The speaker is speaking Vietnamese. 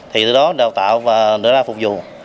thì từ đó đào tạo và đưa ra phục vụ